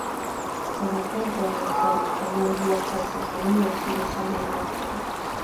Por ejemplo, un usuario español viaja a Estados Unidos y desea llamar a Australia.